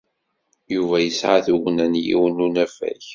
Yuba yesɛa tugna n yiwen n unafag.